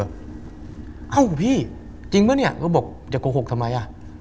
เอ้าพี่จริงป่ะเนี่ยก็บอกจะโกหกทำไมอ่ะ